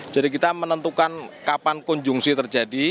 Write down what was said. jadi kita menentukan kapan kunjungsi terjadi